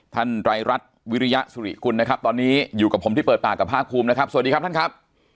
ไรรัฐวิริยสุริกุลนะครับตอนนี้อยู่กับผมที่เปิดปากกับภาคภูมินะครับสวัสดีครับท่านครับ